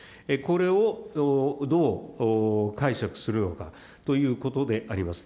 これをどう解釈するのかということであります。